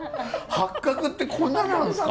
八角ってこんななんですか！？